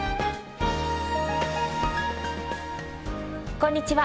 こんにちは